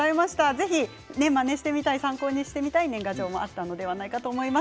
ぜひまねしてみたい、参考にしたい年賀状があったのではないかと思います。